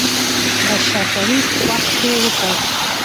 بشر تاریخ وخت کې وکړ.